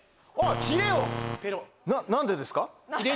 「何でですか？」。